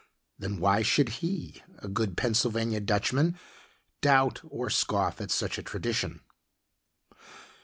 Then why should he, a good Pennsylvania Dutchman, doubt or scoff at such tradition?